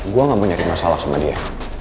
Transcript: gue gak mau nyari masalah sama dia